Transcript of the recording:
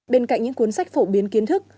bên cạnh những cuốn sách phổ biến kiến thức